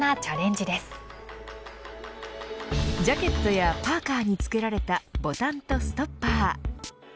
ジャケットやパーカーに付けられたボタンとストッパー。